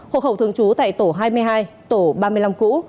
hộ khẩu thường trú tại tổ hai mươi hai tổ ba mươi năm cũ